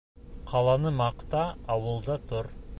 Ҡаланы маҡта, ауылда тор.